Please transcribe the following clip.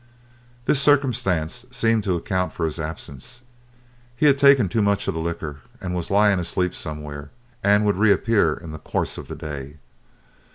This circumstance seemed to account for his absence; he had taken too much of the liquor, was lying asleep somewhere, and would reappear in the course of the day.